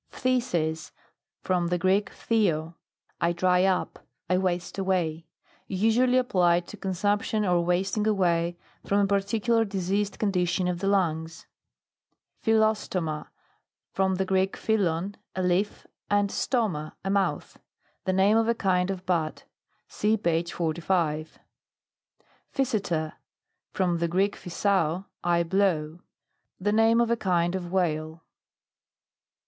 PHTHISIS. From the Greek, phthed, I dry up, I waste away. Usually ap plied to consumption, or wasting away, from a particular diseased condition of the lungs PHYLLOSTOMA. From the Greek, phul lon, a leaf, and sterna, a mouth. The name of a kind of bat. (See pa^e 45.) PHYSETER. From the Greek, phusao, I blow. The name of a kind of whale.